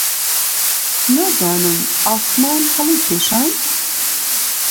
نازانم عاسمان هەڵیکێشان؟